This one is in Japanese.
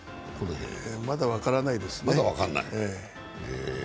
まだ分からないですね。